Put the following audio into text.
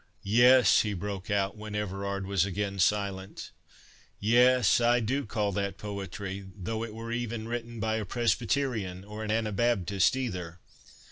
"Yes!" he broke out, when Everard was again silent—"Yes, I do call that poetry—though it were even written by a Presbyterian, or an Anabaptist either.